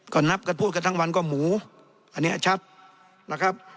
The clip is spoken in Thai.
ก็นับกันพูดกันทั้งวันก็หมูอันนี้ชัดนะครับ